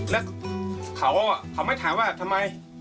แล้วเขาไม่ถามว่าทำไม